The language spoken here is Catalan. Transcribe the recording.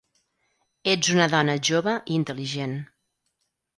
Ets una dona jove i intel·ligent.